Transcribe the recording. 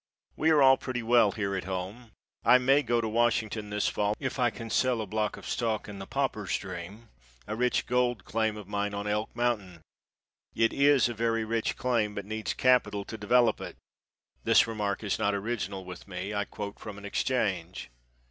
We are all pretty well here at home. I may go to Washington this fall if I can sell a block of stock in the Pauper's Dream, a rich gold claim of mine on Elk mountain. It is a very rich claim, but needs capital to develop it. (This remark is not original with me. I quote from an exchange.)